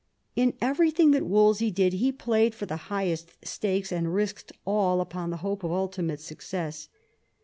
In everything that Wolsey did he played for the highest stakes, and risked all upon the hope of ultimate success.